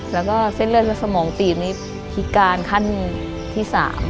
แล้วก็เส้นเลือดในสมองตีบนี้พิการขั้นที่๓